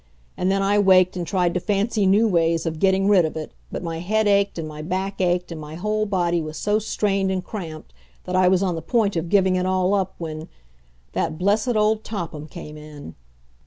And then I waked and tried to fancy new ways of getting rid of it, but my head ached, and my back ached, and my whole body was so strained and cramped that I was on the point of giving it all up when that blessed old Topham came in.